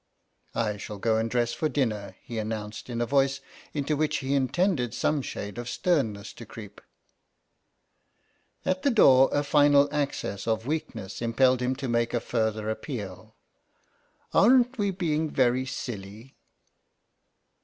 " I shall go and dress for dinner," he announced in a voice into which he intended some shade of sternness to creep. At the door a final access of weakness impelled him to make a further appeal. " Aren't we being very silly